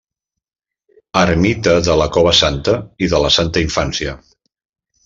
Ermita de la Cova Santa i de la Santa Infància.